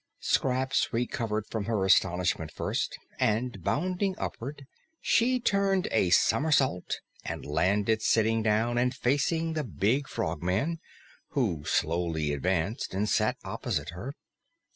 Scraps recovered from her astonishment first, and bounding upward, she turned a somersault and landed sitting down and facing the big Frogman, who slowly advanced and sat opposite her.